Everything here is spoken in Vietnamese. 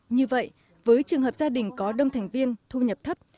như vậy với trường hợp gia đình có đông thành viên thu nhập thấp